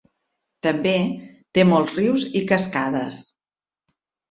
També té molts rius i cascades.